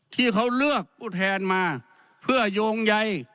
ที่เขาเลือกผู้แทนมาเพื่อโยงใย